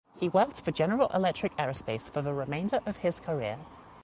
He worked for General Electric Aerospace for the remainder of his career.